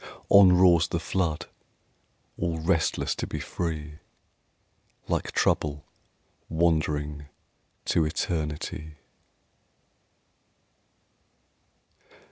On roars the flood, all restless to be free, Like Trouble wandering to Eternity.